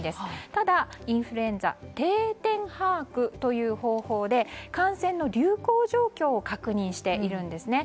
ただ、インフルエンザ定点把握という方法で感染の流行状況を確認しているんですね。